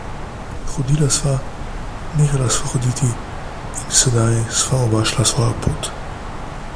Hodila sva, nehala sva hoditi in sedaj sva oba šla svojo pot.